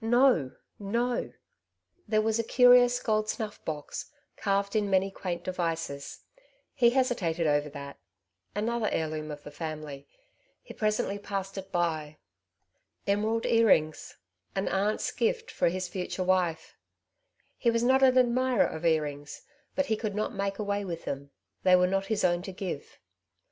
no ! no ! There was a curious gold snuff box, carved in many quaint devices. He hesitated over that, another heirloom of the family ; he presently passed it by. Emerald earrings; an aunt's gift for his future wife. He was not an admirer of earrings, but he could not make away with them, they were not his own to give.